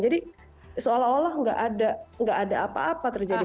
jadi seolah olah nggak ada apa apa terjadi